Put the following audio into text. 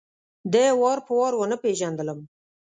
ده وار په وار ونه پېژندلم.